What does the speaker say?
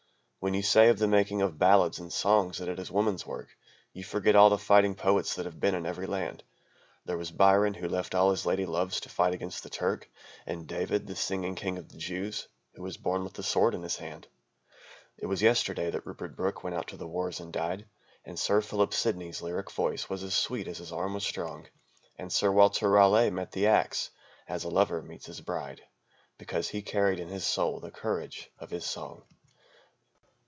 "When you say of the making of ballads and songs that it is woman's work You forget all the fighting poets that have been in every land. There was Byron who left all his lady loves to fight against the Turk, And David, the Singing King of the Jews, who was born with a sword in his hand. It was yesterday that Rupert Brooke went out to the Wars and died, And Sir Philip Sidney's lyric voice was as sweet as his arm was strong; And Sir Walter Raleigh met the axe as a lover meets his bride, Because he carried in his soul the courage of his song.